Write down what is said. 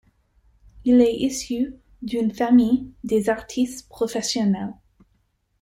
Il est issu d’une famille d’artistes professionnels.